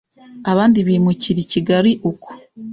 abandi bimukira Kigali uko